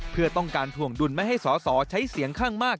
เพื่อต้องการถ่วงดุลไม่ให้สอสอใช้เสียงข้างมาก